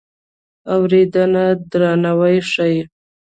اورېدنه درناوی ښيي.